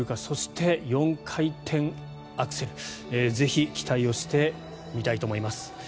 そして４回転アクセルぜひ期待をして見たいと思います。